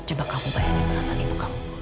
coba bayangkan perasaan ibu kamu